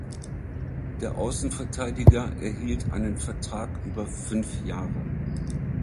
Der Außenverteidiger erhielt einen Vertrag über fünf Jahre.